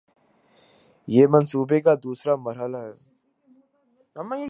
یہ منصوبے کا دوسرا مرحلہ ہے